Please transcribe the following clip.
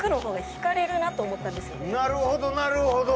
なるほどなるほど。